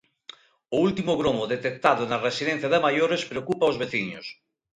O último gromo detectado na residencia de maiores preocupa aos veciños.